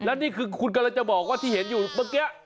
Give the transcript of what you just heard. แล้วนี่คือคุณกำลังจะบอกว่าที่เห็นอยู่เมื่อกี้